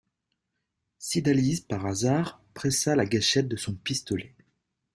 Cydalise, par hasard, pressa la gâchette de son pistolet.